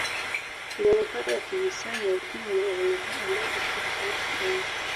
Unyanyapaa wa kihisani wa Ukimwi ni Unyanyapaa ambao upo tofauti kidogo